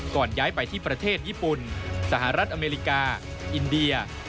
ย้ายไปที่ประเทศญี่ปุ่นสหรัฐอเมริกาอินเดีย